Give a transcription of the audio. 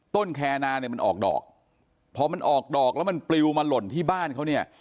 แคนาเนี่ยมันออกดอกพอมันออกดอกแล้วมันปลิวมาหล่นที่บ้านเขาเนี่ย